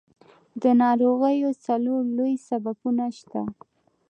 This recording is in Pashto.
د ناروغیو څلور لوی سببونه شته.